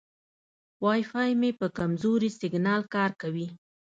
وای فای مې په کمزوري سیګنال کار کوي.